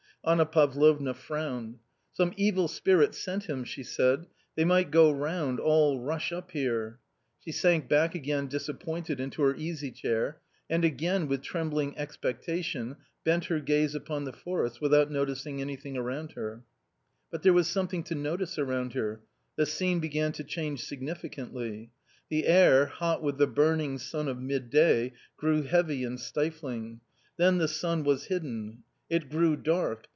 Anna Parlovna frowned. " Some evil spirit sent him !" she said ;" they might go round, all rush up here." She sank back again disappointed into her easy chair, and again with trembling expectation bent her gaze upon the forest, without noticing anything around her. But there was something to notice around her; the scene began to change significantly. The air, hot with the burning sun of midday, grew heavy and stifling. Then the sun was hidden. It grew dark.